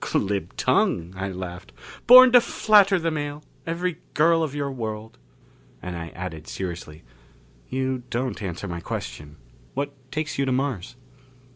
"Glib tongue," I laughed. "Born to flatter the male every girl of your world." And I added seriously, "You don't answer my question. What takes you to Mars?"